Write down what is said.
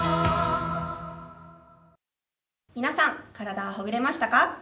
皆さん、体はほぐれましたか？